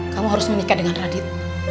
kamu harus menikah dengan radit